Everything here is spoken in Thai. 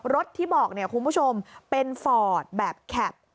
ที่บอกเนี่ยคุณผู้ชมเป็นฟอร์ดแบบแคป